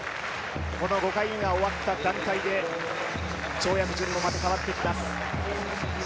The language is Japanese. この５回目が終わった段階で跳躍順もまた変わってきます。